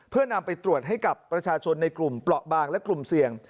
เพื่อนำไปตรวจให้กับประชาชนในกลุ่มเปราะบางและกลุ่มเสี่ยง